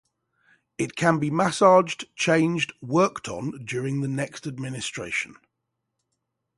It can be massaged, changed, worked on during the next administration.